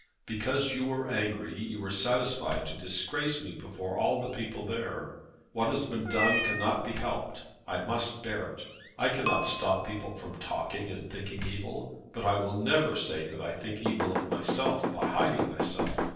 "Because you were angry, you were satisfied to disgrace me before all the people there. What has been done cannot be helped. I must bear it. I cannot stop people from talking and thinking evil. But I will never say that I think evil of myself by hiding myself.